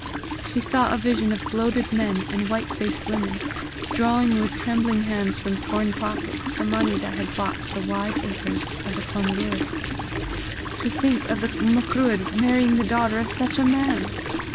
She saw a vision of bloated men and white faced women, drawing with trembling hands from torn pockets the money that had bought the wide acres of the Clanruadh. To think of the Macruadh marrying the daughter of such a man!